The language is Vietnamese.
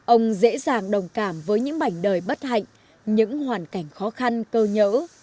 ông dễ dàng đồng cảm với những mảnh đời bất hạnh những hoàn cảnh khó khăn cơ nhỡ